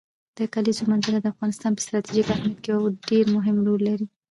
د کلیزو منظره د افغانستان په ستراتیژیک اهمیت کې یو ډېر مهم رول لري.